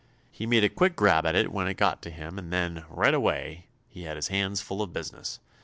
He made a quick grab at it when it got to him and then, right away, he had his hands full of business.